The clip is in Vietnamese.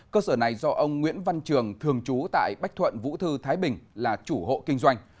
cơ sở này do ông nguyễn văn trường thường trú tại bách thuận vũ thư thái bình là chủ hộ kinh doanh